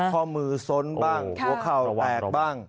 ข้อมือส้นบ้างหัวเข่าแตกบ้าง